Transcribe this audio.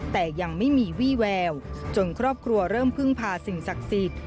แต่ยังไม่มีวี่แววจนครอบครัวเริ่มพึ่งพาสิ่งศักดิ์สิทธิ์